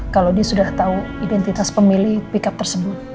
kalau dia sudah tahu identitas pemilih pickup tersebut